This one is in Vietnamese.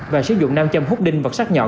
và sử dụng nam châm hút đinh vật sát nhọn